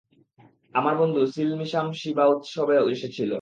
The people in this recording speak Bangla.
আমার বন্ধু সিলমিশাম শিবা উৎসবে এসেছিল।